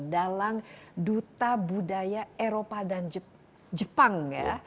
dalang duta budaya eropa dan jepang ya